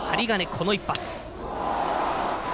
この一発。